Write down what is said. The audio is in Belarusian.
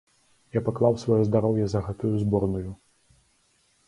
Я паклаў сваё здароўе за гэтую зборную.